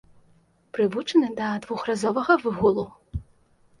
Прывучаны да двухразовага выгулу.